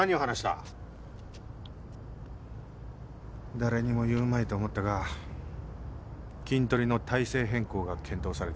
誰にも言うまいと思ったがキントリの体制変更が検討されてる。